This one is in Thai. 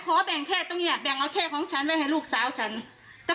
ขอแบ่งแค่ตรงเนี้ยแบ่งเอาแค่ของฉันไว้ให้ลูกสาวฉัน